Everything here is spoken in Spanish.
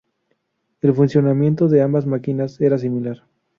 El funcionamiento de ambas máquinas era similar.